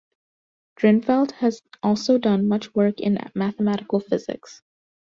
Drinfeld has also done much work in mathematical physics.